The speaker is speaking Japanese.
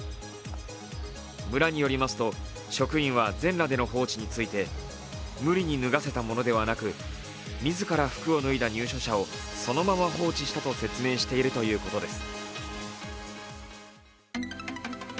村によりますと、職員は全裸での放置について無理に脱がせたものではなくみずから服を脱いだ入所者をそのまま放置したと説明しているということです。